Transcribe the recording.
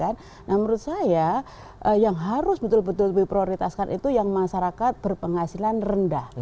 nah menurut saya yang harus betul betul diprioritaskan itu yang masyarakat berpenghasilan rendah